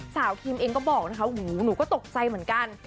คิมเองก็บอกนะคะหูหนูก็ตกใจเหมือนกัน